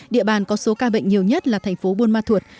địa bàn có số ca bệnh nhiều nhất là thành phố buôn ma thuột